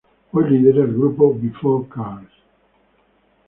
Hoy, lidera el grupo Before Cars.